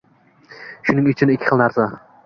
Shuning uchun ikki xil narsa